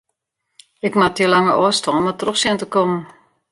Ik moat dy lange ôfstân mar troch sjen te kommen.